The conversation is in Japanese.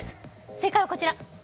正解はこちら。